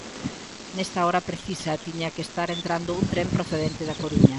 Nesa hora precisa tiña que estar entrando un tren procedente da Coruña.